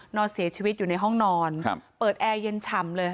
นอนเสียชีวิตอยู่ในห้องนอนเปิดแอร์เย็นฉ่ำเลย